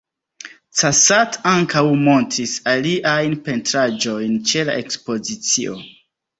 Cassatt ankaŭ montris aliajn pentraĵojn ĉe la Ekspozicio.